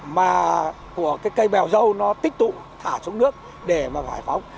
mà của cái cây bèo dâu nó tích tụ thả xuống nước để mà giải phóng